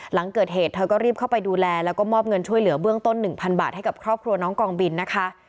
หลังเกิดเหตุเธอก็รีบเข้าไปดูแลแล้วก็มอบเงินช่วยเหลือเบื้องต้น๑๐๐บาทให้กับครอบครัวน้องกองบินนะคะ